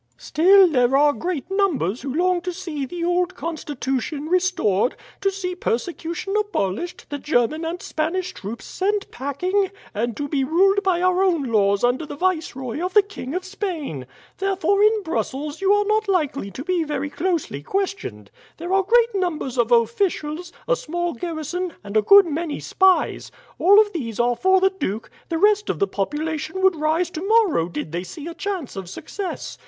"Still there are great numbers who long to see the old Constitution restored to see persecution abolished, the German and Spanish troops sent packing, and to be ruled by our own laws under the viceroy of the King of Spain. Therefore in Brussels you are not likely to be very closely questioned. There are great numbers of officials, a small garrison, and a good many spies; all of these are for the duke, the rest of the population would rise tomorrow did they see a chance of success.